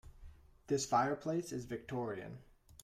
This fireplace is Victorian.